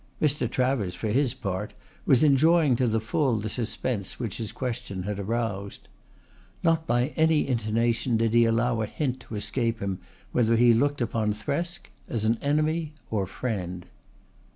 Mr. Travers, for his part, was enjoying to the full the suspense which his question had aroused. Not by any intonation did he allow a hint to escape him whether he looked upon Thresk as an enemy or friend.